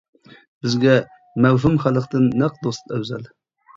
بىزگە مەۋھۇم خەلقتىن نەق دوست ئەۋزەل.